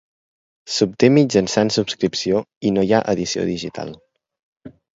S'obté mitjançant subscripció i no hi ha edició digital.